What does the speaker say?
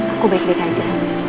aku baik baik aja